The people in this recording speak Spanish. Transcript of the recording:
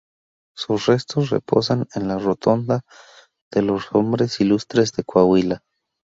Sus restos reposan en la Rotonda de los Hombres Ilustres de Coahuila.